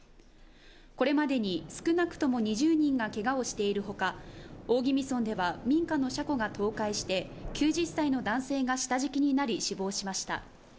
これまでに少なくとも２０人がけがをしているほか、大宜味村では民家の車庫が倒壊して９０歳の男性が下敷きになり死亡しました。